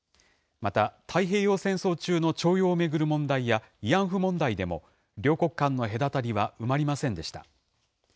また太平洋戦争中の徴用を巡る問題や、慰安婦問題でも両国間の隔たりは埋まりませんでした。